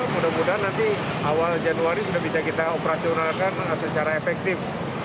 mudah mudahan nanti awal januari sudah bisa kita operasionalkan secara efektif